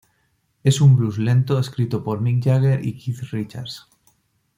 Es un blues lento escrito por Mick Jagger y Keith Richards.